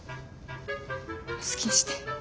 好きにして。